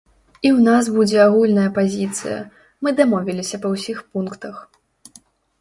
І ў нас будзе агульная пазіцыя, мы дамовіліся па ўсіх пунктах.